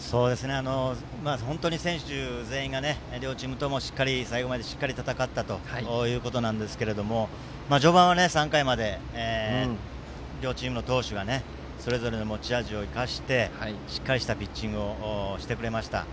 本当に選手全員が両チームともしっかり最後まで戦ったということなんですが序盤は３回まで両チームの投手がそれぞれの持ち味を生かしてしっかりしたピッチングをしてくれました。